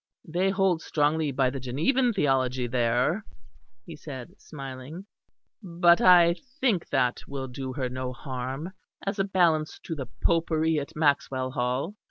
"They hold strongly by the Genevan theology there," he said smiling, "but I think that will do her no harm as a balance to the Popery at Maxwell Hall."